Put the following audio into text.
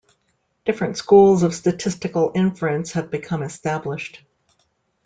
Different schools of statistical inference have become established.